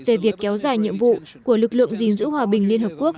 về việc kéo dài nhiệm vụ của lực lượng gìn giữ hòa bình liên hợp quốc